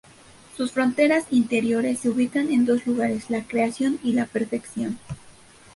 Sus fronteras interiores se ubican en dos lugares, la creación y la perfección.